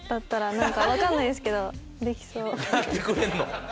やってくれんの？